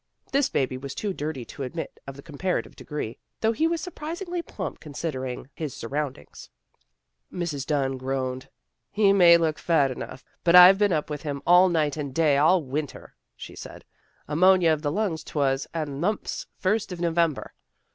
This baby was too dirty to admit of the comparative degree, though he was surprisingly plump considering ois surroundings. Mrs. Dunn groaned. " He may look fat enough, but I've been up with him night and day all winter," she said. " Amonia of the lungs 'twas, and the mumps first of November.